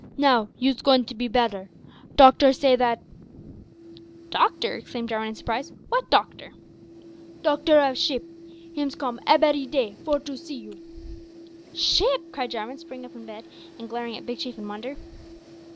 Now, you's goin' to be bedder. Doctor say that " "Doctor!" exclaimed Jarwin in surprise, "what doctor?" "Doctor of ship. Hims come ebbery day for to see you." "Ship!" cried Jarwin, springing up in his bed and glaring at Big Chief in wonder.